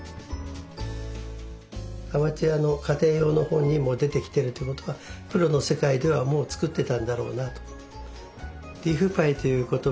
アマチュアの家庭用の本にも出てきてるということはプロの世界ではもう作ってたんだろうなと。